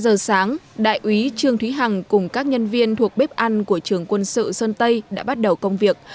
ba giờ sáng đại úy trương thúy hằng cùng các nhân viên thuộc bếp ăn của trường quân sự sơn tây đã bắt đầu công việc